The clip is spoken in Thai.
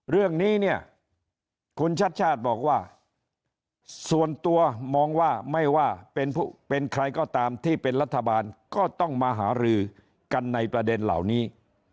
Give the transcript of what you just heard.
เรื่องนี้เนี่ยคุณชัดชาติบอกว่าส่วนตัวมองว่าไม่ว่าเป็นใครก็ตามที่เป็นรัฐบาลก็ต้องมาหารือกันในประเด็นเหล่านี้